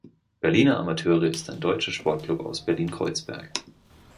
Berliner Amateure ist ein deutscher Sportclub aus Berlin-Kreuzberg.